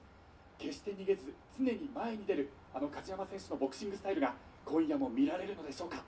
決して逃げず常に前に出るあの梶山選手のボクシングスタイルが今夜も見られるのでしょうか。